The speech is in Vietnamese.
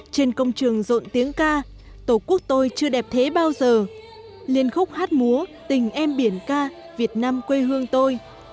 trên công trường rộn tiếng ca tổ quốc tôi chưa đẹp thế bao giờ liên khúc hát múa tình em biển ca việt nam quê hương tôi